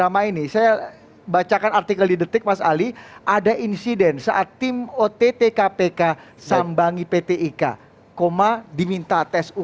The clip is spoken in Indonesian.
panjang sekali saya bisa menimpa